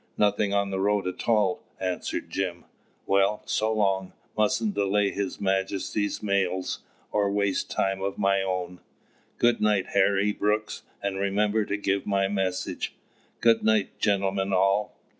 "Nothing on the road at all," answered Jim. "Well, so long! Mustn't delay his Majesty's mails or waste time of my own. Good night, Harry Brooks, and remember to give my message! Good night, gentlemen all!"